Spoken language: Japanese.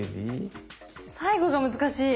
最後が難しい。